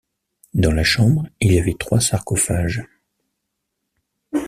Dans la chambre il y avait trois sarcophages.